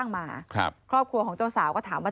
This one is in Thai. มาครับครอบครัวของเจ้าสาวก็ถามว่า